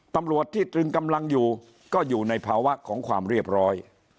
ตำรวจที่ตรึงกำลังอยู่ก็อยู่ในภาวะของความเรียบร้อย